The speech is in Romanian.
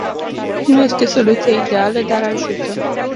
Nu este soluția ideală, dar ajută.